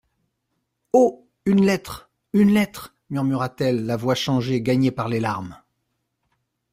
Oh ! une lettre, une lettre, murmura-t-elle, la voix changée, gagnée par les larmes.